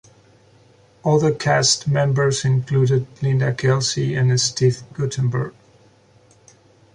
Other cast members included Linda Kelsey and Steve Guttenberg.